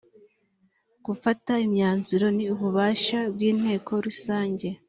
gufata imyanzuro ni ububasha bw’ inteko rusange